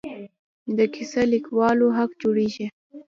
د کیسه لیکوالو حق جوړېږي.